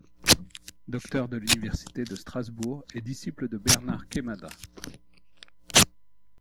Docteur de l'Université de Strasbourg et disciple de Bernard Quémada.